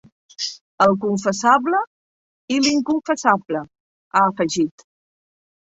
El confessable i l’inconfessable, ha afegit.